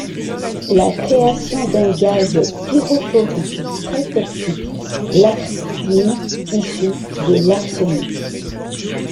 La création d'un gaz pyrophorique très toxique l’arsine issu de l’arsenic.